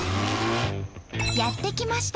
やって来ました！